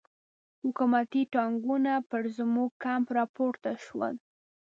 حکومتي ټانګونه پر زموږ کمپ را پورته شول.